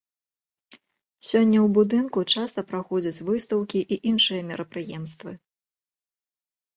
Сёння ў будынку часта праходзяць выстаўкі і іншыя мерапрыемствы.